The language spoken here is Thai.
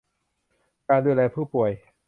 การดูแลผู้ป่วย